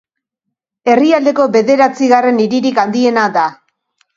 Herrialdeko bederatzigarren hiririk handiena da.